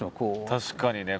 確かにね